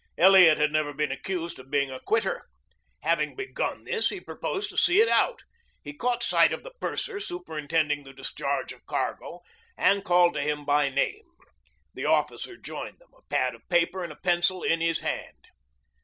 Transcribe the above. Elliot had never been accused of being a quitter. Having begun this, he proposed to see it out. He caught sight of the purser superintending the discharge of cargo and called to him by name. The officer joined them, a pad of paper and a pencil in his hand.